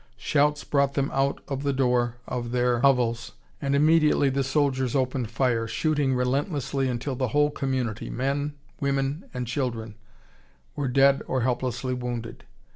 Shouts brought them out of the door of their hovels, and immediately the soldiers opened fire, shooting relentlessly until the whole community men, women and children were dead or helplessly wounded.